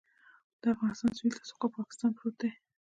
د افغانستان سویل ته پاکستان پروت دی